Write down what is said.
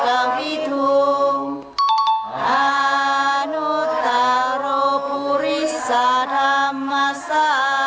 อ้าวไม่เอา